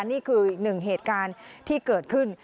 นี่คืออีกหนึ่งเหตุการณ์ที่เกิดขึ้น